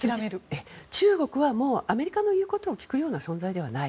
中国はアメリカの言うことを聞くような存在ではない。